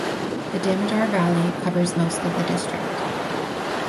The Damodar valley covers most of the district.